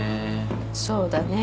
そうだね